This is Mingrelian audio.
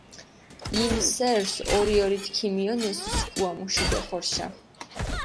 იმ სერს ორი-ორით ქიმიჸონეს სქუა მუში დოხორეშა.